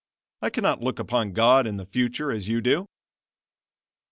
I cannot look upon God and the future as you do."